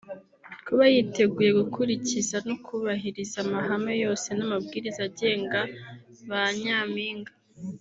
Kuba yiteguye gukurikiza no kubahiriza amahame yose n’ amabwiriza agenga ba nyampinga